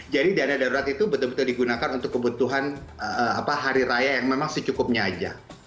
dan dana darurat itu betul betul digunakan untuk kebutuhan hari raya yang memang secukupnya aja